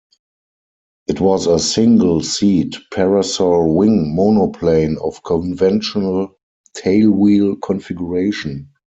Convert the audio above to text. It was a single-seat parasol wing monoplane of conventional tailwheel configuration.